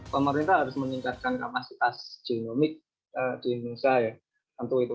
pemerintah harus meningkatkan kapasitas genomik di indonesia ya